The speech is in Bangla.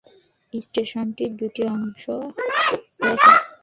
স্টেশনটি দুটি অংশে রয়েছে।